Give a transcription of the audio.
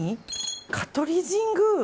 香取神宮